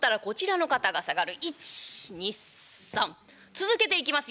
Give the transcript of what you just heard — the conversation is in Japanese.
続けていきますよ。